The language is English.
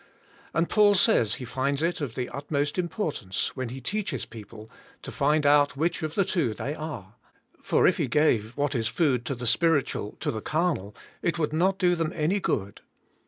And Paul says he finds it of the utmost importance, when he teaches people, to find out which of the two' they are; for if he g'ave what is food to the spiritual to the carnal it would not do them any g ood.